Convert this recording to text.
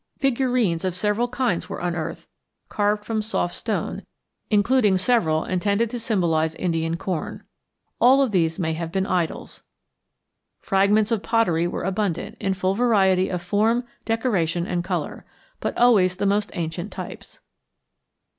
Figurines of several kinds were unearthed, carved from soft stone, including several intended to symbolize Indian corn; all these may have been idols. Fragments of pottery were abundant, in full variety of form, decoration, and color, but always the most ancient types.